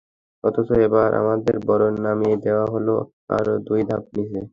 অথচ এবার আমাদের বরং নামিয়ে দেওয়া হলো আরও দুই ধাপ নিচে।